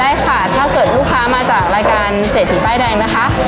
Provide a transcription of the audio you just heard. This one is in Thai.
ได้ค่ะถ้าเกิดลูกค้ามาจากรายการเศรษฐีป้ายแดงนะคะ